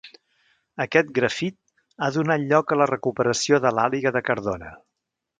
Aquest grafit ha donat lloc a la recuperació de l'Àliga de Cardona.